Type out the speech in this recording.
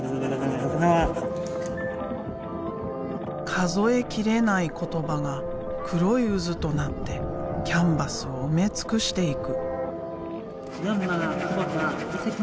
数えきれない言葉が黒い渦となってキャンバスを埋め尽くしていく。